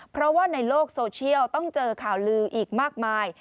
เพราะว่าในโลกโซเชียลต้องเจอข่าวลืออีกมากมาย